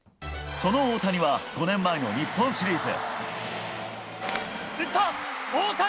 その大谷は５年前の日本シリーズ。